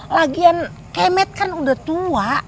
lagian kemet kan udah tua